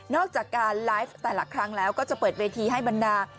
อกจากการไลฟ์แต่ละครั้งแล้วก็จะเปิดเวทีให้บรรดา